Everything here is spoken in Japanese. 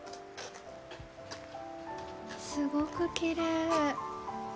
すごくきれい。